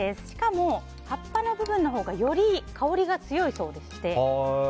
しかも、葉っぱの部分のほうがより香りが強いそうでして。